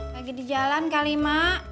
lagi di jalan kali mak